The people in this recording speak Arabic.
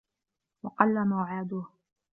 وَقَلَّ مُعَادُوهُ